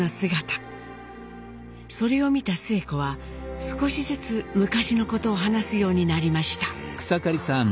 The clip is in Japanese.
それを見たスエ子は少しずつ昔のことを話すようになりました。